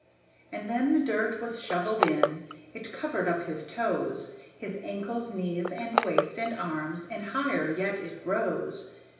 And then the dirt was shovelled in, it covered up his toes, His ankles, knees, and waist and arms, and higher yet it rose.